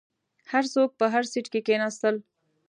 هر څوک په هر سیټ کې کیناستل.